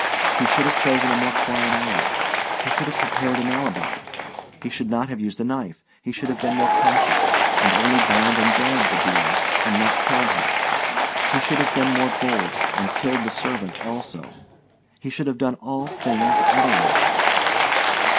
He should have chosen a more quiet hour; he should have prepared an alibi; he should not have used a knife; he should have been more cautious, and only bound and gagged the dealer, and not killed him; he should have been more bold, and killed the servant also; he should have done all things otherwise.